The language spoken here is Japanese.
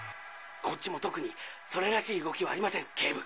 こっちも特にそれらしい動きはありません警部。